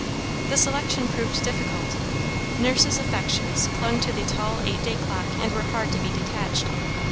The selection proved difficult. Nurse's affections clung to a tall eight day clock, and were hard to be detached.